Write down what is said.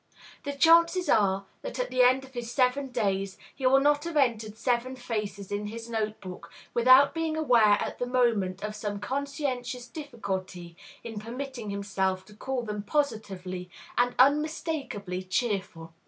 The chances are that at the end of his seven days he will not have entered seven faces in his note book without being aware at the moment of some conscientious difficulty in permitting himself to call them positively and unmistakably cheerful.